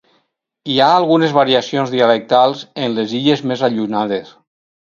Hi ha algunes variacions dialectals en les illes més allunyades.